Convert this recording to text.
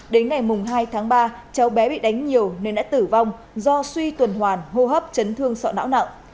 đến ngày hai tháng ba cháu bé bị đánh nhiều nên đã tử vong do suy tuần hoàn hô hấp chấn thương sọ não nặng